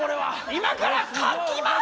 今から書きます！